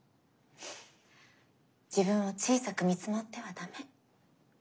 自分を小さく見積もってはダメ。